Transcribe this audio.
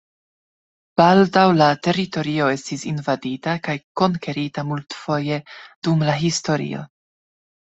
Baldaŭ la teritorio estis invadita kaj konkerita multfoje dum la historio.